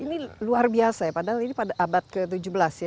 ini luar biasa ya padahal ini pada abad ke tujuh belas ya